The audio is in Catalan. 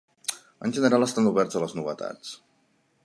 En general estan oberts a les novetats.